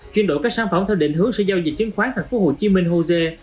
chuyên đội các sản phẩm theo định hướng sẽ giao dịch chiến khoán thành phố hồ chí minh hồ dê